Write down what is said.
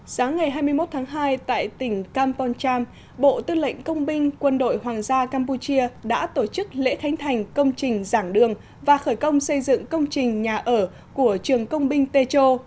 sáng ngày hai mươi một tháng hai tại tỉnh kampong cham bộ tư lệnh công binh quân đội hoàng gia campuchia đã tổ chức lễ khánh thành công trình giảng đường và khởi công xây dựng công trình nhà ở của trường công binh tê châu